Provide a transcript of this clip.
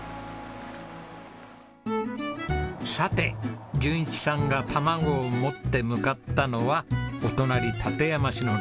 さて淳一さんが卵を持って向かったのはお隣館山市のレストラン。